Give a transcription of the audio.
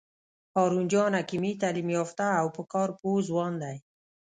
هارون جان حکیمي تعلیم یافته او په کار پوه ځوان دی.